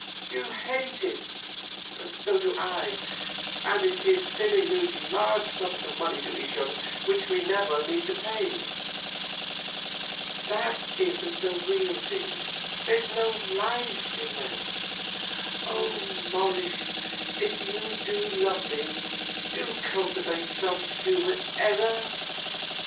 You hate it, and so do I; and it is silly losing large sums of money to each other which we never mean to pay. That isn't the real thing, there's no life in that. Oh, Morris, if you love me, do cultivate some human error.